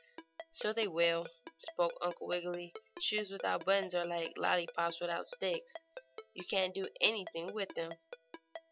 "So they will," spoke Uncle Wiggily. "Shoes without buttons are like lollypops without sticks, you can't do anything with them."